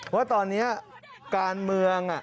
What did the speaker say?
ว่าตอนนี้การเมือง